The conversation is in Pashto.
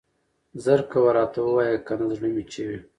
زر کوه راته ووايه کنه زړه مې چوي.